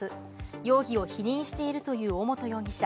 容疑を否認しているという尾本容疑者。